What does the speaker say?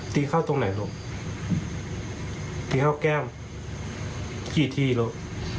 ตีเข้าตรงไหนลูกตีเข้าแก้มกี่ทีลูก